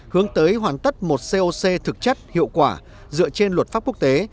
hướng tới hoàn tất một coc thực chất hiệu quả dựa trên luật pháp quốc tế